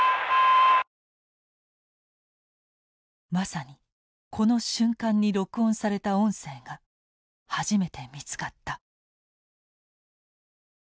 まさにこの瞬間に録音された音声が初めて見つかった。